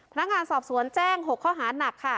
พนักงานสอบสวนแจ้ง๖ข้อหานักค่ะ